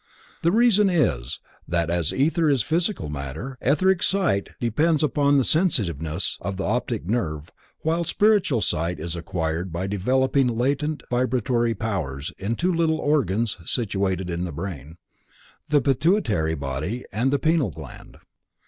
The reason is, that as ether is physical matter, etheric sight depends upon the sensitiveness of the optic nerve while spiritual sight is acquired by developing latent vibratory powers in two little organs situated in the brain: the Pituitary body and the Pineal gland.